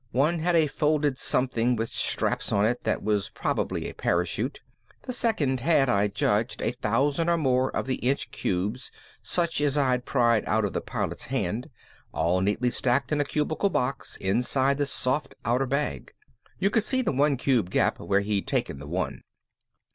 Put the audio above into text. One had a folded something with straps on it that was probably a parachute. The second had I judged a thousand or more of the inch cubes such as I'd pried out of the Pilot's hand, all neatly stacked in a cubical box inside the soft outer bag. You could see the one cube gap where he'd taken the one.